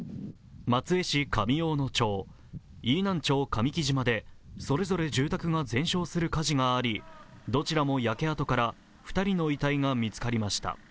松江市上大野町、飯南町上来島でそれぞれ住宅が全焼する火事があり、どちらも焼け跡から２人の遺体が見つかりました。